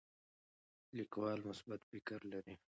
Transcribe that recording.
لیکوال مثبت فکر لري.